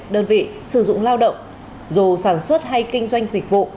đơn vị sử dụng lao động dù sản xuất hay kinh doanh dịch vụ